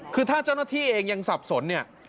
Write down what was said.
คือถ้าเจ้าหน้าที่เองยังสับสนเนี่ย